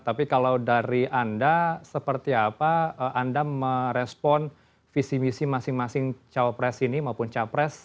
tapi kalau dari anda seperti apa anda merespon visi misi masing masing cawapres ini maupun capres